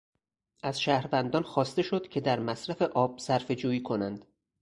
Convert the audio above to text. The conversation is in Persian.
از شهروندان خواسته شد که در مصرف آب، صرفه جویی کنند.